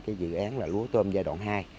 cái dự án là lúa tôm giai đoạn hai